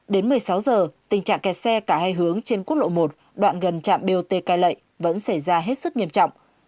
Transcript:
đến một mươi sáu giờ tình trạng kẹt xe cả hai hướng trên quốc lộ một đoạn gần trạm bot cai lệ vẫn xảy ra hết sức nghiêm trọng